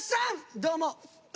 どうも！